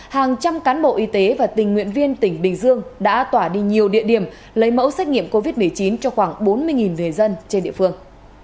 hàng trăm cán bộ y tế và tình nguyện viên tỉnh bình dương đã tỏa đi nhiều địa điểm lấy mẫu xét nghiệm covid một mươi chín cho khoảng bốn mươi người dân trên địa phương